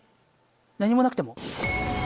何もなくても？